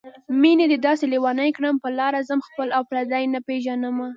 مينې دې داسې لېونی کړم په لاره ځم خپل او پردي نه پېژنمه